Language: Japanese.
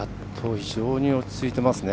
非常に落ち着いてますね。